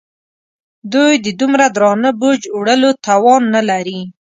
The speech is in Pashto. دوی د دومره درانه بوج وړلو توان نه لري.